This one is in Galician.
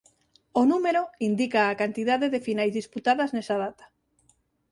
O número indica a cantidade de finais disputadas nesa data.